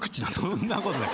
そんなことない。